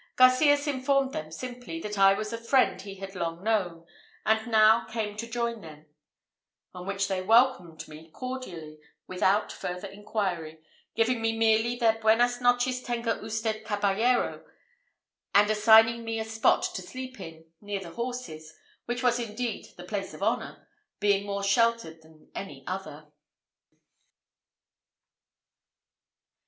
Garcias informed them simply, that I was a friend he had long known, who now came to join them; on which they welcomed me cordially, without farther inquiry, giving me merely the Buenas noches tenga usted caballero, and assigning me a spot to sleep in, near the horses, which was indeed the place of honour, being more sheltered than any other.